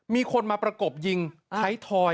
มีคนมาประกบยิงไทยทอย